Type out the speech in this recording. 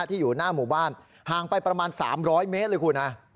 ที่อยู่หน้าหมู่บ้านห่างไปประมาณ๓๐๐เมตรเลยคุณ